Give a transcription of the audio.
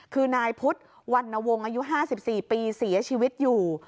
คือนายพุธวันวงอายุห้าสิบสี่ปีเสียชีวิตอยู่